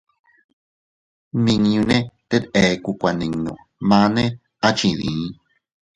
Nmiñunne tet ekku kuaninnu, manne a chindii.